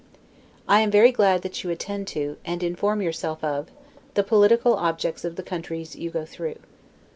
I am very glad that you attend to, and inform yourself of, the political objects of the country you go through.